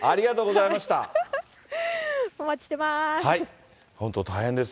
お待ちしてます。